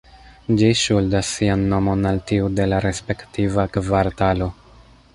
Ĝi ŝuldas sian nomon al tiu de la respektiva kvartalo.